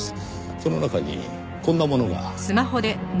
その中にこんなものが。